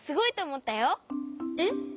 えっ？